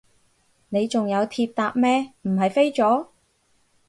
你仲有鐵搭咩，唔係飛咗？